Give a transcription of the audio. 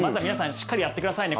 しっかりやってくださいね。